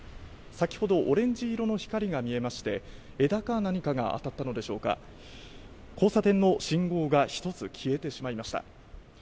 先ほどオレンジ色の光が見えまして枝か何かが当たったのでしょうか、交差点の信号が１つ消えてしまいました。